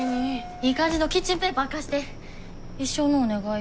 いい感じのキッチンペーパー貸して一生のお願い。